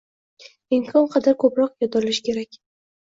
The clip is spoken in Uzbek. Imkon qadar ko‘proq yod olish kerak